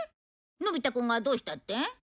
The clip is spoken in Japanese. のび太くんがどうしたって？